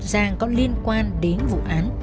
giang có liên quan đến vụ án